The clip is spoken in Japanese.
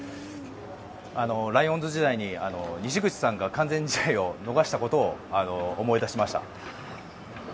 ライオンズ時代に西口さんが完全試合を逃したことを思い出しました。